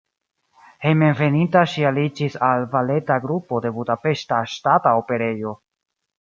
Hejmenveninta ŝi aliĝis al baleta grupo de Budapeŝta Ŝtata Operejo.